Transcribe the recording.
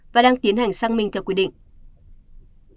và đang tiến hành sang minh theo quy định